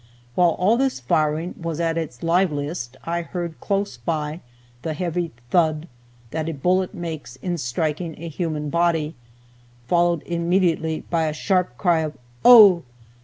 While all this firing was at its liveliest, I heard close by the heavy "thud" that a bullet makes in striking a human body, followed immediately by a sharp cry of "Oh!"